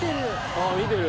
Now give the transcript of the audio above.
あ見てる。